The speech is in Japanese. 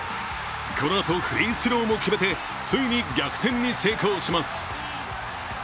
このあとフリースローも決めてついに逆転に成功します。